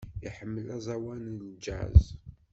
Iḥemmel aẓawan n jazz.